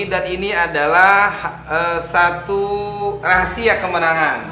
dan ini adalah satu rahasia kemenangan